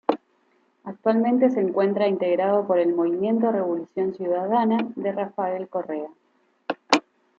Actualmente se encuentra integrado por el Movimiento Revolución Ciudadana de Rafael Correa.